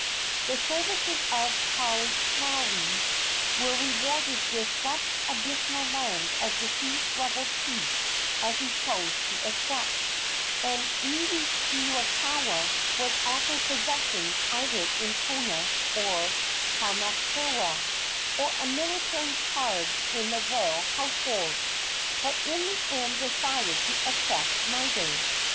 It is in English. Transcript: The services of Papuakea were rewarded with such additional lands of deceased rebel chiefs as he chose to accept, and Iwikauikaua was offered possessions either in Kona or Hamakua, or a military charge in the royal household. But in the end he decided to accept neither.